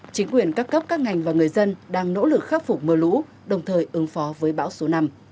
chính quyền các cấp các ngành và người dân đang nỗ lực khắc phục mưa lũ đồng thời ứng phó với bão số năm